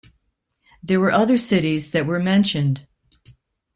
There were other cities that were mentioned.